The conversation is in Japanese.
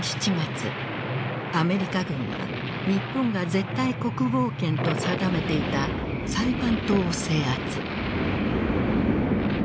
アメリカ軍は日本が絶対国防圏と定めていたサイパン島を制圧。